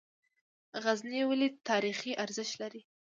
غزني ولې تاریخي ارزښت لري؟